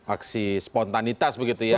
aksi spontanitas begitu ya